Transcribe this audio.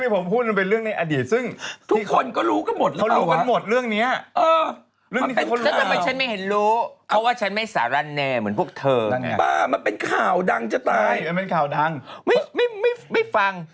เหรอเหรอเรียงนี้ผมพูดมันเป็นเรื่องในอดีตซึ่ง